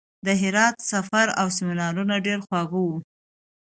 د هرات سفر او سیمینار ډېر خواږه وو.